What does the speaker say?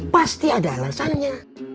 pasti ada alasannya